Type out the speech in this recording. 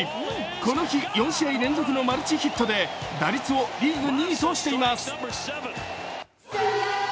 この日、４試合連続のマルチヒットで打率をリーグ２位としています。